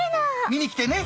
見に来てね。